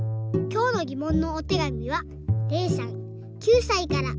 きょうのぎもんのおてがみはれいさん９さいから。